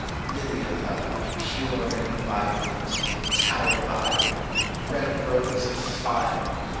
Lily of love, pure and inviolate ! Tower of ivory ! red rose of fire